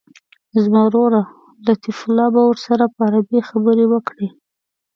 زما ورور لطیف الله به ورسره په عربي خبرې وکړي.